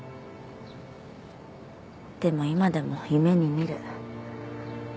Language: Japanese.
でも今でも夢に見る。